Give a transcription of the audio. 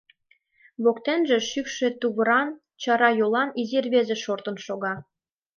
Воктенже шӱкшӧ тувыран, чара йолан изи рвезе шортын шога.